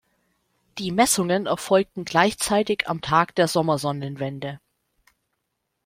Die Messungen erfolgten gleichzeitig am Tag der Sommersonnenwende.